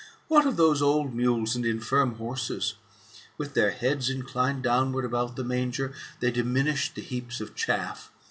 What of those old mules and infirm horses ? With their heads inclined downward about the man ger, they diminished the heaps of chaff.